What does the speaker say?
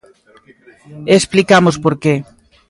E explicamos por que.